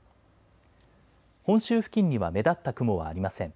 本州付近には目立った雲はありません。